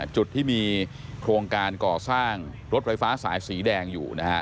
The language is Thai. จุดที่มีโครงการก่อสร้างรถไฟฟ้าสายสีแดงอยู่